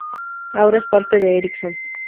Ahora es parte de Ericsson.